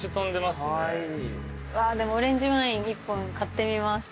オレンジワイン１本買ってみます。